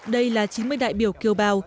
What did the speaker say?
đây là chín mươi đại biểu kiều bào